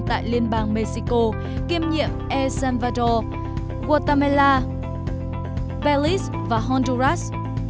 tại liên bang mexico kiêm nhiệm el salvador guatemala belize và honduras